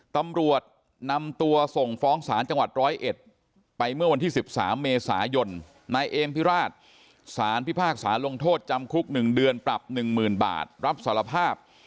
ตำรวจนำตัวส่งฟ้องศาลจังหวัดร้อยเอ็ดไปเมื่อวันที่๑๓เมษายนนายเอมพิราชสารพิพากษาลงโทษจำคุก๑เดือนปรับ๑๐๐๐บาทรับสารภาพ